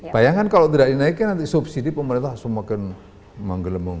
bayangkan kalau tidak dinaikin nanti subsidi pemerintah semakin menggelembung